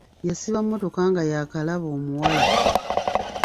Yasiba emmotoka nga yaakalaba omuwala.